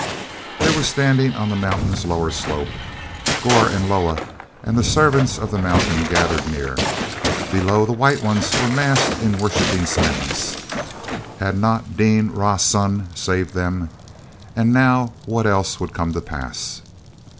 They were standing on the mountain's lower slope, Gor and Leah and the servants of the mountain gathered near. Below, the White Ones were massed in worshiping silence. Had not Dean Rah Sun saved them? And now what else would come to pass?